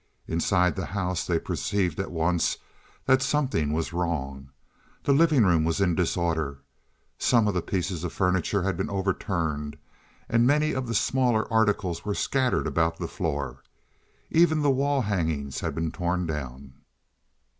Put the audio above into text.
Inside the house they perceived at once that something was wrong. The living room was in disorder; some of the pieces of furniture had been overturned, and many of the smaller articles were scattered about the floor. Even the wall hangings had been torn down.